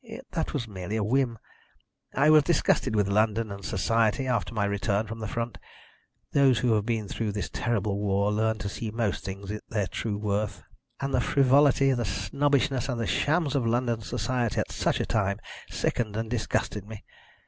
"That was merely a whim. I was disgusted with London and society after my return from the front. Those who have been through this terrible war learn to see most things at their true worth, and the frivolity, the snobbishness, and the shams of London society at such a time sickened and disgusted me.